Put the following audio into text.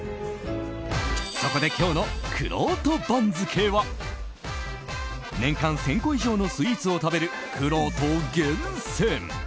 そこで今日のくろうと番付は年間１０００個以上のスイーツを食べるくろうと厳選！